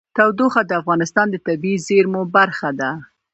تودوخه د افغانستان د طبیعي زیرمو برخه ده.